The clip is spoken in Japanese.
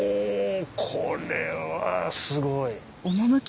これはすごい。